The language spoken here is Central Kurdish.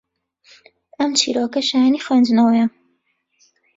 ئەم چیرۆکە شایەنی خوێندنەوەیە